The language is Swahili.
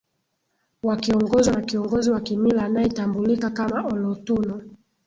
Wakiongozwa na kiongozi wa kimila anaetambulika kama Olotuno